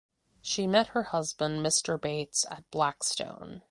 She met her husband Mister Bates at Blackstone.